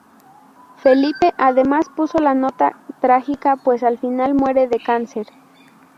Felipe además puso la nota trágica, pues al final muere de cáncer.